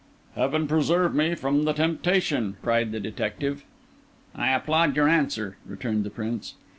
"Heaven preserve me from the temptation!" cried the detective. "I applaud your answer," returned the Prince.